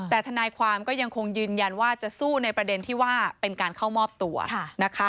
แต่ทนายความก็ยังคงยืนยันว่าจะสู้ในประเด็นที่ว่าเป็นการเข้ามอบตัวนะคะ